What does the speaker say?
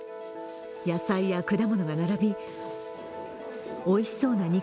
野菜や果物が並びおいしそうな